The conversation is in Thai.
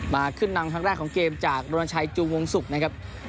มาขึ้นนำครั้งแรกของเกมจากโรนชัยจูวงศุกร์นะครับ